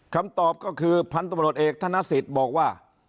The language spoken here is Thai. คำตอบก็คือพันธบรวจเอกธนสิทธิ์บอกว่า